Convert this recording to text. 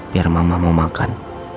biar mama mau makan